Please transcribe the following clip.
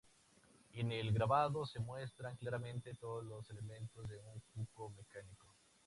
En el grabado se muestran claramente todos los elementos de un cuco mecánico.